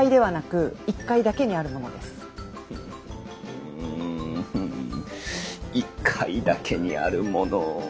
うん１階だけにあるもの。